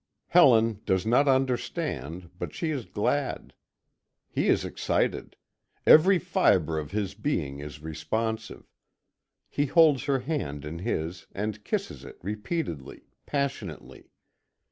Helen does not understand, but she is glad. He is excited. Every fibre of his being is responsive. He holds her hand in his, and kisses it repeatedly, passionately.